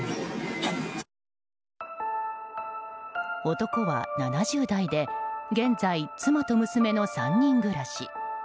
男は７０代で現在、妻と娘の３人暮らし。